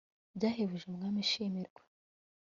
byahebuje, mwami shimirwa